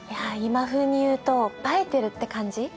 今風にいうと映えてるって感じ？